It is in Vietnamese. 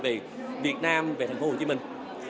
về việt nam về thành phố hồ chí minh